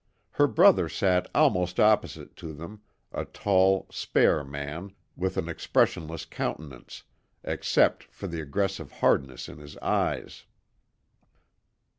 Her brother sat almost opposite to them, a tall, spare man, with an expressionless countenance, except for the aggressive hardness in his eyes.